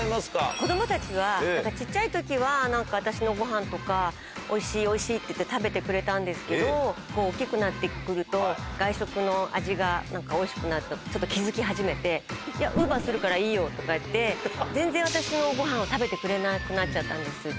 子どもたちはちっちゃいときは、なんか、私のごはんとかおいしい、おいしいって言って食べてくれたんですけど、大きくなってくると、外食の味がなんかおいしいのちょっと気付き始めて、いや、ウーバーするからいいよとかって言って、全然、私のごはんを食べてくれなくなっちゃったんですね。